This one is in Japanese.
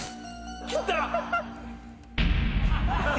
切った！